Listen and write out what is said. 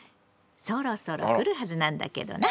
そろそろ来るはずなんだけどな。